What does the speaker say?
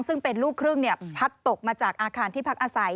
ซึ่งเป็นลูกครึ่งพลัดตกมาจากอาคารที่พักอาศัย